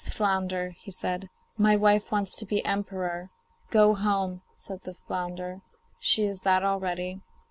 flounder,' he said, 'my wife wants to be emperor.' 'Go home,' said the flounder; 'she is that already.